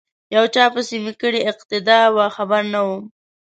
یو چا پسې می کړې اقتدا وه خبر نه وم